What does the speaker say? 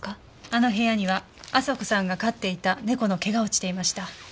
あの部屋には亜沙子さんが飼っていた猫の毛が落ちていました。